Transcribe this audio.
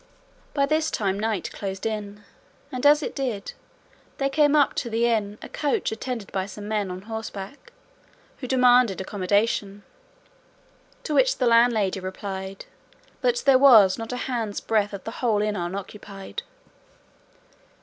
By this time night closed in, and as it did, there came up to the inn a coach attended by some men on horseback, who demanded accommodation; to which the landlady replied that there was not a hand's breadth of the whole inn unoccupied.